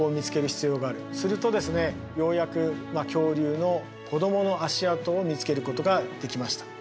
するとですねようやく恐竜の子供の足跡を見つけることができました。